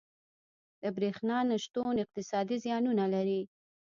• د برېښنا نه شتون اقتصادي زیانونه لري.